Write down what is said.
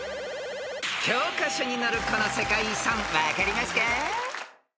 ［教科書に載るこの世界遺産分かりますか？］